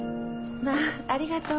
まあありがとう。